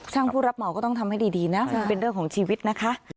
ผู้รับเหมาก็ต้องทำให้ดีนะมันเป็นเรื่องของชีวิตนะคะ